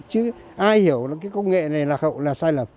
chứ ai hiểu là cái công nghệ này là sai lầm